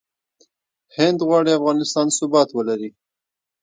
هند غواړي افغانستان ثبات ولري.